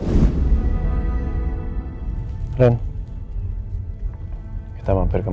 sekarang kita harus dét devenir